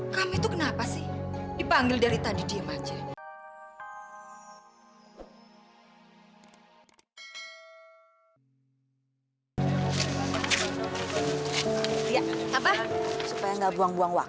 sampai jumpa di video selanjutnya